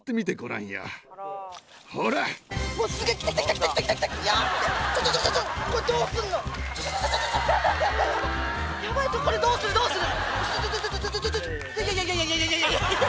いやいやいやいや！